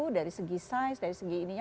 dari segi sains dari segi ininya